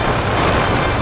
aku akan menang